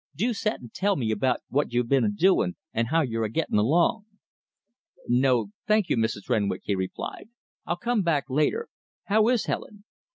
Dew set and tell me about what you've been a doin' and how you're a gettin' along." "No, thank you, Mrs. Renwick," he replied, "I'll come back later. How is Helen?"